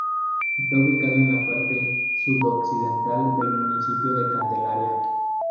Está ubicado en la parte sudoccidental del municipio de Candelaria.